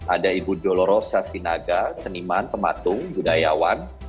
ada ibu doloro sasinaga seniman pematung budayawan